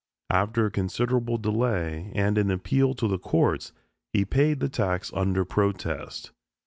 After considerable delay, and an appeal to the courts, he paid the tax under protest.